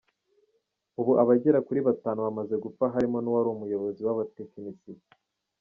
Ubu abagera kuri batanu bamaze gupfa harimo n’uwari umuyobozi w’abatekinisiye.